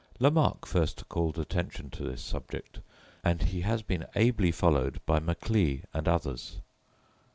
Lamarck first called attention to this subject, and he has been ably followed by Macleay and others.